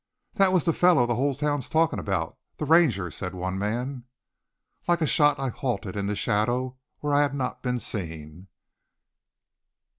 "That was the fellow the whole town's talkin' about the Ranger," said one man. Like a shot I halted in the shadow, where I had not been seen.